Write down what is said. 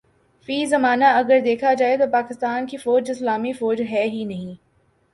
فی زمانہ اگر دیکھا جائے تو پاکستان کی فوج اسلامی فوج ہے ہی نہیں